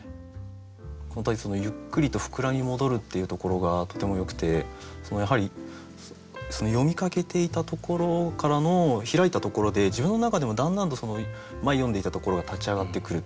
本当に「ゆっくりとふくらみ戻る」っていうところがとてもよくてやはり読みかけていたところからの開いたところで自分の中でもだんだんと前読んでいたところが立ち上がってくる。